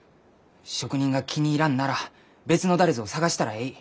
職人が気に入らんなら別の誰ぞを探したらえい。